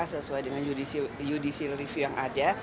sesuai dengan judicial review yang ada